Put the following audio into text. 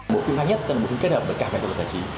một phim hay nhất là một phim kết hợp với cả phim giải trí